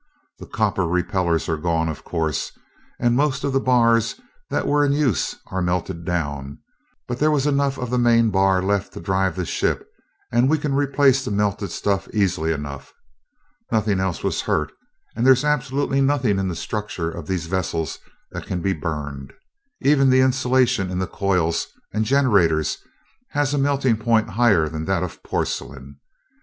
The copper repellers are gone, of course, and most of the bars that were in use are melted down, but there was enough of the main bar left to drive the ship and we can replace the melted stuff easily enough. Nothing else was hurt, as there's absolutely nothing in the structure of these vessels that can be burned. Even the insulation in the coils and generators has a melting point higher than that of porcelain.